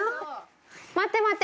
待って待って！